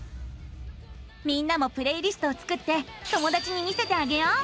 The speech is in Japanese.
みんなもプレイリストを作って友だちに見せてあげよう。